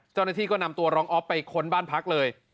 เจ้าหน้าที่ก็นำตัวรองออฟไปค้นบ้านพักเลย